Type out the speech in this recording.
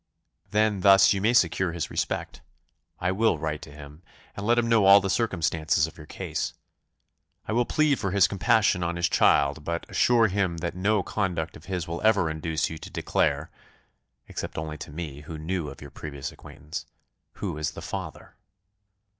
"Then, thus you may secure his respect. I will write to him, and let him know all the circumstances of your case. I will plead for his compassion on his child, but assure him that no conduct of his will ever induce you to declare (except only to me, who knew of your previous acquaintance) who is the father."